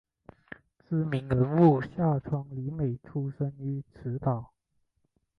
知名人物夏川里美出身于此岛。